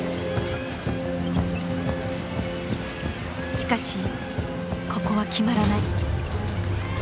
しかしここは決まらない。